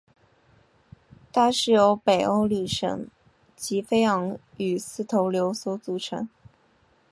它是由北欧女神吉菲昂与四头牛所组成。